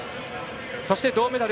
そして、銅メダル